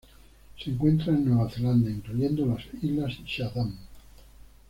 Se encuentra en Nueva Zelanda, incluyendo las Islas Chatham.